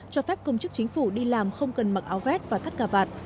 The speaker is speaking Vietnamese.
cho phép công chức chính phủ đi làm không cần mặc áo vét và thắt gà vạt